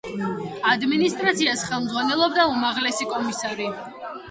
ადმინისტრაციას ხელმძღვანელობდა უმაღლესი კომისარი.